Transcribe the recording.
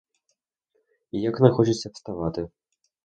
І як не хочеться вставати.